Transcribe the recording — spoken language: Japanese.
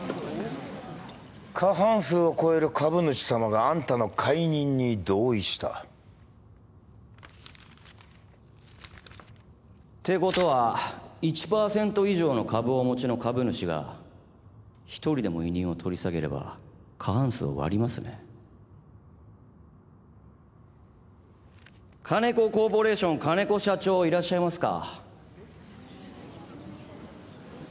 過半数を超える株主様があんたの解任に同意したてことは１％以上の株をお持ちの株主が一人でも委任を取り下げれば過半数を割りますね金子コーポレーション金子社長いらっしゃいますか？